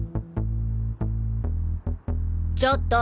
ちょっと！